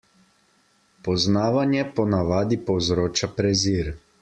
Poznavanje po navadi povzroča prezir.